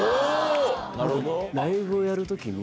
ライブをやる時に。